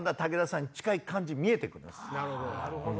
なるほど。